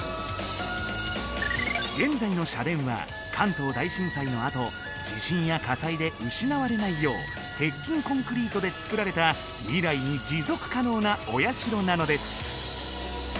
現在の社殿は関東大震災のあと地震や火災で失われないよう鉄筋コンクリートで造られた未来に持続可能なお社なのです